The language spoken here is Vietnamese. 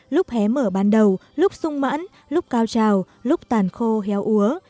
lúc hé mở ban đầu lúc sung mãn lúc cao trào lúc tàn khô héo úa